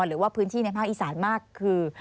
หรือว่าพื้นที่ในภาคอีสานมากคือ